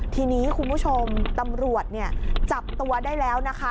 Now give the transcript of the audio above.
ทีนี้คุณผู้ชมตำรวจจับตัวได้แล้วนะคะ